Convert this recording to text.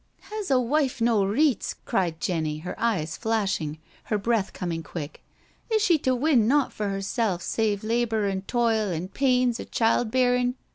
'* Has a Wife no reets?" cried Jenny, her eyes flash ing, her breath coming quick, " Is she to win naught for 'ersel' save labour, an' toil, an' pains o' child bear in'?